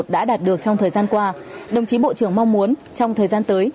đã đạt được trong thời gian qua đồng chí bộ trưởng mong muốn trong thời gian tới